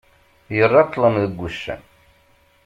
Yerra ṭṭlem deg uccen.